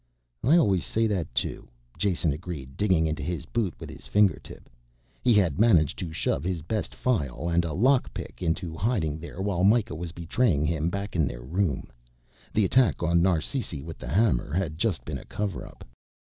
"I always say that, too," Jason agreed, digging into his boot with his fingertip. He had managed to shove his best file and a lockpick into hiding there while Mikah was betraying him back in their room. The attack on Narsisi with the hammer had just been a cover up.